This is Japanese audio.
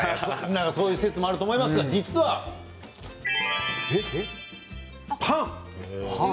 そういう説もあると思いますが、実はパン。